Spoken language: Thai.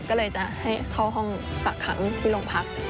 ก็เลยจะให้เข้าห้องฝากขังที่โรงพัก